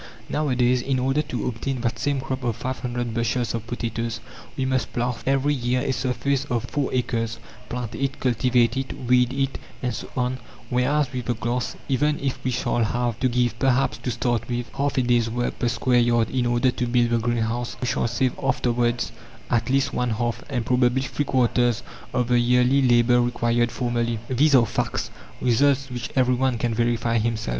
Nowadays, in order to obtain that same crop of 500 bushels of potatoes, we must plough every year a surface of four acres, plant it, cultivate it, weed, it, and so on; whereas with the glass, even if we shall have to give perhaps, to start with, half a day's work per square yard in order to build the greenhouse we shall save afterwards at least one half, and probably three quarters of the yearly labour required formerly. These are facts, results which every one can verify himself.